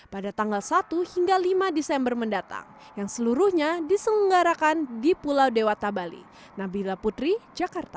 pada tanggal satu hingga lima desember mendatang yang seluruhnya diselenggarakan di pulau dewata bali nabila putri jakarta